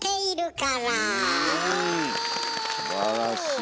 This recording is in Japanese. うんすばらしい。